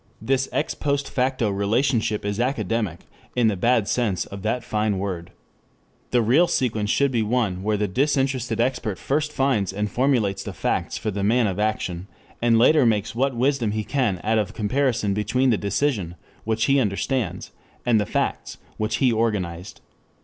This ex post facto relationship is academic in the bad sense of that fine word. The real sequence should be one where the disinterested expert first finds and formulates the facts for the man of action, and later makes what wisdom he can out of comparison between the decision, which he understands, and the facts, which he organized.